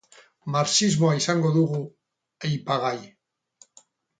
Marxismoa izango dugu aipagai.